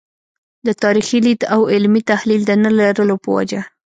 د تاریخي لید او علمي تحلیل د نه لرلو په وجه.